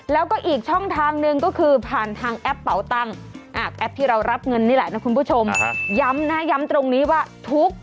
แล้วก็อีกช่องทางนึงก็คือผ่านทางแอปเป๋าตังค์